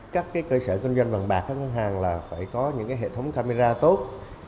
các cơ sở kinh doanh vàng bạc các ngân hàng phải có những hệ thống camera tốt